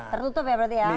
tertutup ya berarti ya